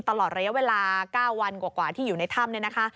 ตลอดระยะเวลา๙วันกว่าที่อยู่ในถ้ำ